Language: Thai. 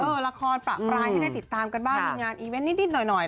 ละครประปรายให้ได้ติดตามกันบ้างมีงานอีเวนต์นิดหน่อย